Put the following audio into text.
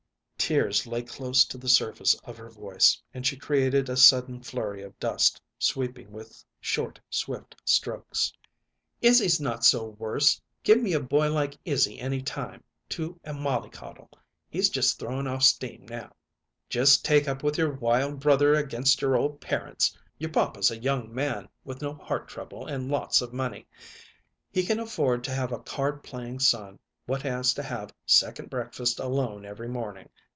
Tears lay close to the surface of her voice, and she created a sudden flurry of dust, sweeping with short, swift strokes. "Izzy's not so worse! Give me a boy like Izzy any time, to a mollycoddle. He's just throwing off steam now." "Just take up with your wild brother against your old parents! Your papa's a young man, with no heart trouble and lots of money; he can afford to have a card playing son what has to have second breakfast alone every morning!